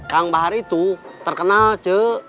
kang bahar itu terkenal ce